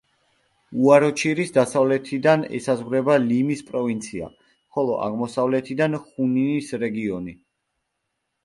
უაროჩირის დასავლეთიდან ესაზღვრება ლიმის პროვინცია, ხოლო აღმოსავლეთიდან ხუნინის რეგიონი.